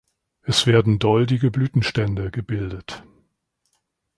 Es werden doldige Blütenstände gebildet.